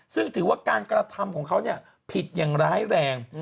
ซึ่งถือว่าการกระทำของเขาผิดอย่างร้ายแรง